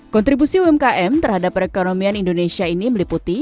kontribusi umkm terhadap perekonomian indonesia ini meliputi